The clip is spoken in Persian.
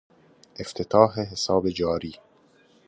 افتتاح حساب جاری.